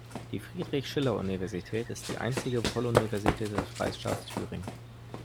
Die Friedrich-Schiller-Universität ist die einzige Volluniversität des Freistaats Thüringen.